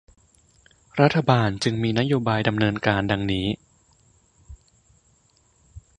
รัฐบาลจึงมีนโยบายดำเนินการดังนี้